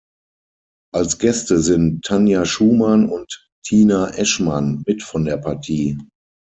Als Gäste sind Tanja Schumann und Tina Eschmann mit von der Partie.